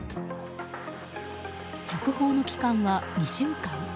釈放の期間は２週間。